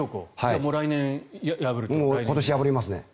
今年破りますね。